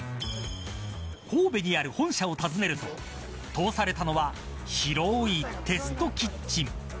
神戸にある本社を訪ねると通されたのは広いテストキッチン。